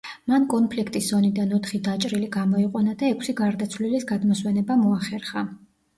მან კონფლიქტის ზონიდან ოთხი დაჭრილი გამოიყვანა და ექვსი გარდაცვლილის გადმოსვენება მოახერხა.